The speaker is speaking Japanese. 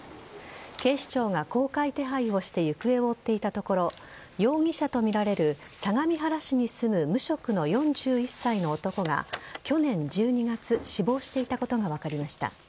警視庁が公開手配をして行方を追っていたところ容疑者とみられる相模原市に住む無職の４１歳の男が去年１２月死亡していたことが分かりました。